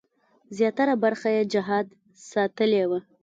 زیاتره برخه یې جهاد ساتلې وه.